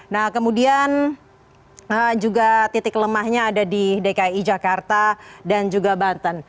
nah kemudian juga titik lemahnya ada di dki jakarta dan juga banten